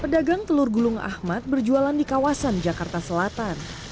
pedagang telur gulung ahmad berjualan di kawasan jakarta selatan